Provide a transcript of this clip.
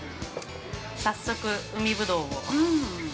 ◆早速海ぶどうを。